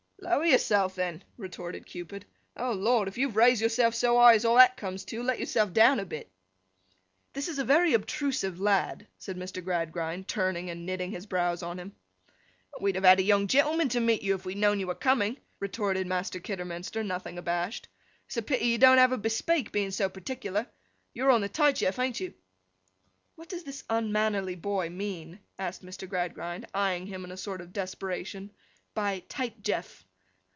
'Lower yourself, then,' retorted Cupid. 'Oh Lord! if you've raised yourself so high as all that comes to, let yourself down a bit.' 'This is a very obtrusive lad!' said Mr. Gradgrind, turning, and knitting his brows on him. 'We'd have had a young gentleman to meet you, if we had known you were coming,' retorted Master Kidderminster, nothing abashed. 'It's a pity you don't have a bespeak, being so particular. You're on the Tight Jeff, ain't you?' 'What does this unmannerly boy mean,' asked Mr. Gradgrind, eyeing him in a sort of desperation, 'by Tight Jeff?